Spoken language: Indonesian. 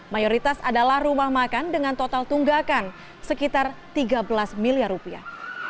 mayoritas adalah rumah makan dengan total tunggakan sekitar tiga belas miliar rupiah